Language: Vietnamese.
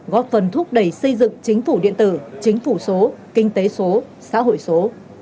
góp phần thúc đẩy xây dựng chính phủ điện tử chính phủ số kinh tế số xã hội số